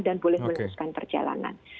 dan boleh meneruskan perjalanan